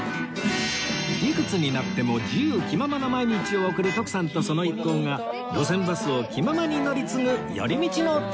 いくつになっても自由気ままな毎日を送る徳さんとその一行が路線バスを気ままに乗り継ぐ寄り道の旅